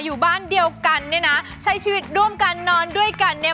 อยู่บ้านเดียวกันเนี่ยนะใช้ชีวิตร่วมกันนอนด้วยกันเนี่ย